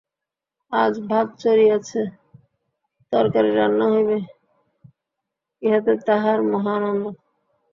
আজ ভাত চড়িয়াছে, তরকারি রান্না হইবে, ইহাতে তাহার মহা আনন্দ।